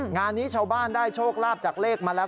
งานนี้ชาวบ้านได้โชคลาภจากเลขมาแล้ว